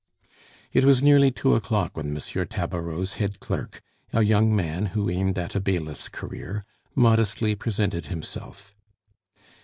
It was nearly two o'clock when M. Tabareau's head clerk, a young man who aimed at a bailiff's career, modestly presented himself.